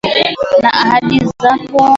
Na ahadi zako.